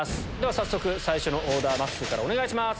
早速最初のオーダーまっすーからお願いします。